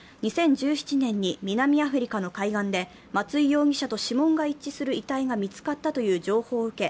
２０１７年に南アフリカの海岸で、松井容疑者と指紋が一致する遺体が見つかったとの情報を受け